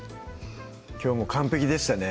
きょうも完璧でしたね